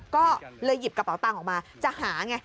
ก็เลยหยิบกระเป๋าตังค์ออกมาจะหาไง